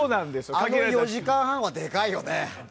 あの４時間半はでかいよね。